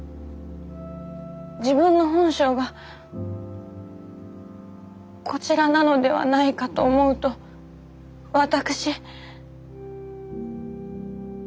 自分の本性がこちらなのではないかと思うと私。